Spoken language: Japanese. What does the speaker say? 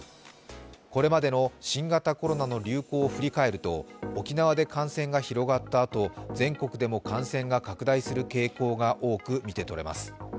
これまでの新型コロナの流行を振り返ると、沖縄で感染が広がったあと全国でも感染が拡大する傾向が多く見て取れます。